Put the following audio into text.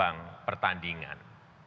dan yang menyebabkan pertandingan